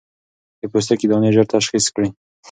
د پوستکي دانې ژر تشخيص کړئ.